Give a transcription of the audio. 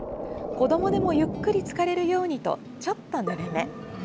子どもでもゆっくりつかれるようにとちょっとぬるめ。